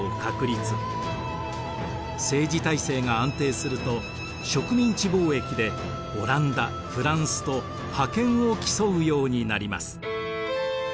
政治体制が安定すると植民地貿易でオランダフランスと覇権を競うようになります。